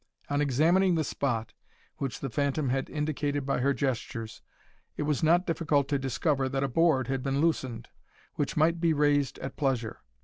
On examining the spot which the phantom had indicated by her gestures, it was not difficult to discover that a board had been loosened, which might be raised at pleasure.